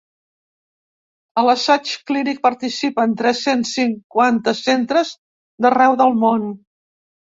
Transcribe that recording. A l’assaig clínic participen tres-cents cinquanta centres d’arreu del món.